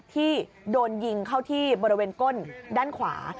ที่โดนยิงเข้าที่บริเวณก้นด้านขวา